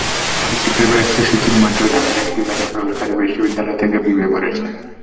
ক্রিকেটের ব্যস্ত সূচির মধ্যেও ঢাকার একটি বেসরকারি বিশ্ববিদ্যালয় থেকে বিবিএ করেছেন।